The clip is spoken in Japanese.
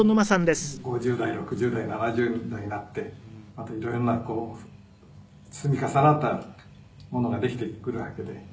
「５０代６０代７０代になってまた色んな積み重なったものができてくるわけで」